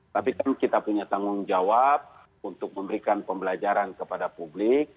tapi kan kita punya tanggung jawab untuk memberikan pembelajaran kepada publik